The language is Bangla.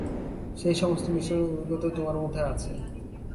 সেই সমস্ত মিশনের অভিজ্ঞতা তোমার মধ্যে আছে।